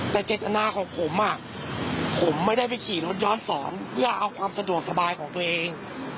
แต่เจตนาของผมผมไม่ได้ไปขี่รถย้อนสอนเพื่อเอาความสะดวกสบายของตัวเอง